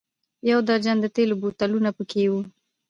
یو درجن د تېلو بوتلونه په کې و.